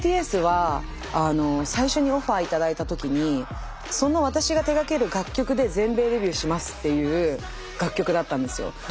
ＢＴＳは最初にオファー頂いた時にその私が手がける楽曲で全米デビューしますっていう楽曲だったんですよ。